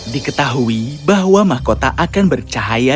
diketahui bahwa mahkota akan bercahaya